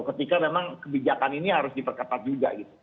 ketika memang kebijakan ini harus diperketat juga gitu